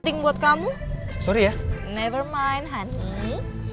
tingkat kamu sorry ya nevermind honey